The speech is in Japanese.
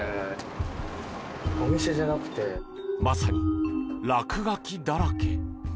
まさに落書きだらけ。